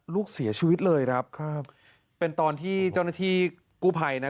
ลูกจมน้ำคุณผู้ชม